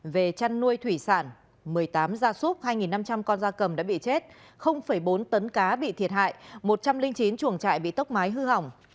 về chăn nuôi thủy sản một mươi tám gia súp hai năm trăm linh con da cầm đã bị chết bốn tấn cá bị thiệt hại một trăm linh chín chuồng trại bị tốc mái hư hỏng